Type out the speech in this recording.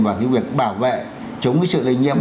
vào cái việc bảo vệ chống cái sự lây nhiễm